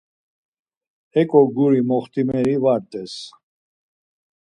heǩo guri moxtimeri var rt̆es.